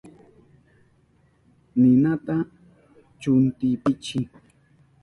Ninata chuntipaychi.